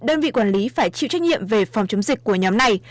đơn vị quản lý phải chịu trách nhiệm về phòng chống dịch của nhóm này